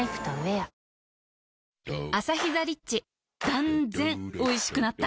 断然おいしくなった